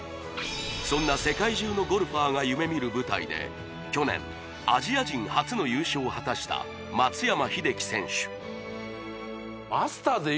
そんな世界中のゴルファーが夢見る舞台で去年アジア人初の優勝を果たした松山英樹選手